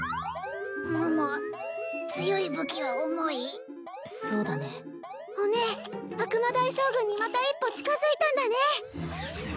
桃強い武器は重いそうだねお姉悪魔大将軍にまた一歩近づいたんだね